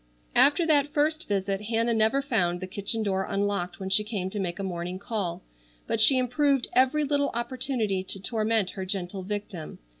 After that first visit Hannah never found the kitchen door unlocked when she came to make a morning call, but she improved every little opportunity to torment her gentle victim.